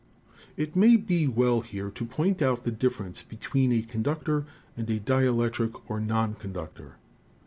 It may be well here to point out the difference between a conductor and a dielectric, or non conductor.